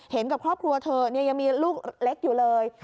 กับครอบครัวเธอยังมีลูกเล็กอยู่เลย